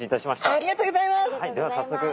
ありがとうございます！